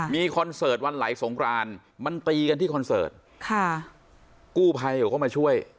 มีคอนเสิร์ตวันไหลสงครานมันตีกันที่คอนเสิร์ตค่ะกู้ภัยเขาก็มาช่วย